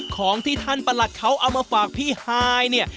ของที่ท่านประหลัดเขาเอามาฝากพี่ฮายเนี่ย